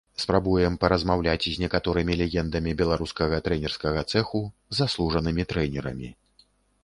Спрабуем паразмаўляць з некаторымі легендамі беларускага трэнерскага цэху, заслужанымі трэнерамі.